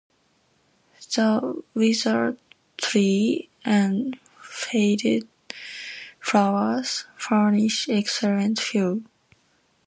The withered tree and faded flowers furnish excellent fuel.